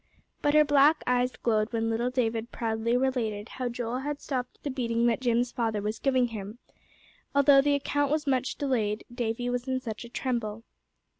But her black eyes glowed when little David proudly related how Joel had stopped the beating that Jim's father was giving him, although the account was much delayed, Davie was in such a tremble.